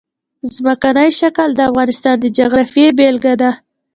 ځمکنی شکل د افغانستان د جغرافیې بېلګه ده.